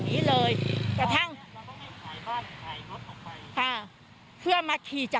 คุณประสิทธิ์ทราบรึเปล่าคะว่า